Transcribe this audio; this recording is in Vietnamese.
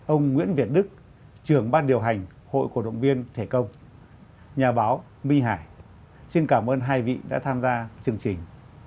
ông nguyễn việt đức trưởng ban điều hành hội cổ động viên thể công nhà báo minh hải xin cảm ơn hai vị đã tham gia chương trình